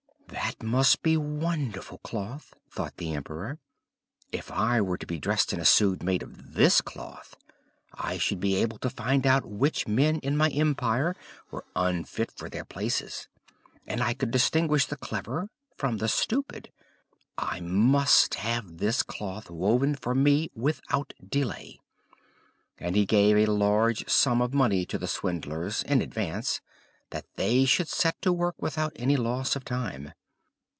"That must be wonderful cloth," thought the emperor. "If I were to be dressed in a suit made of this cloth I should be able to find out which men in my empire were unfit for their places, and I could distinguish the clever from the stupid. I must have this cloth woven for me without delay." And he gave a large sum of money to the swindlers, in advance, that they should set to work without any loss of time.